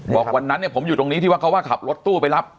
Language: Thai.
บอกวันนั้นผมอยู่ตรงนี้ที่เขาว่าขับรถตู้ไปรับ